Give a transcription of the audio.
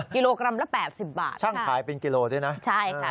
กิโลกรัมละแปดสิบบาทช่างขายเป็นกิโลด้วยนะใช่ค่ะ